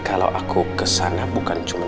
kalau aku kesana bukan cuma